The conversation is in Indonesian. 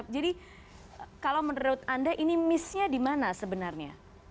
jadi kalau menurut anda ini missnya dimana sebenarnya